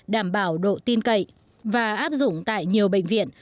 đảm bảo độ tin cậy và áp dụng tại nhiều bệnh viện